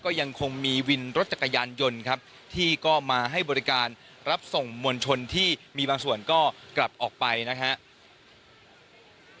ก็ยังคงมีวินรถจักรยานยนต์ครับที่ก็มาให้บริการรับส่งมวลชนที่มีบางส่วนก็กลับออกไปนะครับ